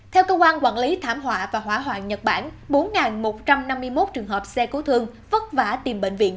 theo cơ quan quản lý thảm họa và hỏa hoạn nhật bản bốn một trăm năm mươi một trường hợp xe cứu thương vất vả tìm bệnh viện